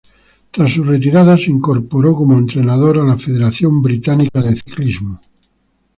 Tras su retirada se incorporó como entrenador a la Federación Británica de Ciclismo.